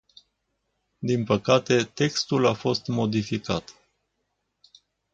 Din păcate, textul a fost modificat.